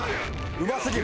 うますぎる！